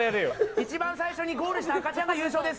一番最初にゴールした赤ちゃんが優勝です。